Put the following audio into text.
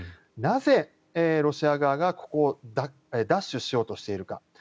なぜ、ロシア側がここを奪取しようとしているか。